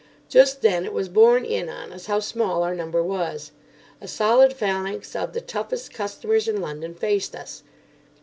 Just then it was borne in on us how small our number was. A solid phalanx of the toughest customers in London faced us.